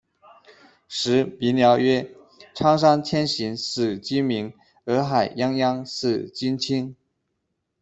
时民谣曰：「苍山千寻使君明，洱海泱泱使君清。